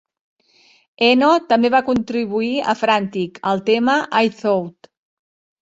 Eno també va contribuir a "Frantic" al tema "I Thought".